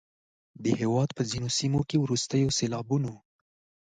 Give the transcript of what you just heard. د هیواد په ځینو سیمو کې وروستیو سیلابونو